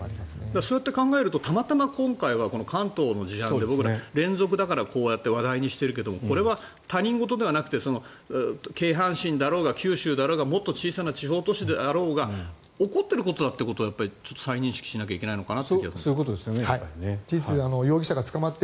そうやって考えるとたまたま今回は関東の事案で連続だからこうやって話題にしてるけどこれは他人事ではなくて京阪神だろうが九州だろうがもっと小さな地方都市であろうが起こっていることだということをちょっと再認識しなきゃいけないのかなと思いますね。